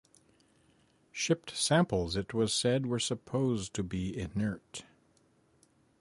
Shipped samples, it was said, were supposed to be inert.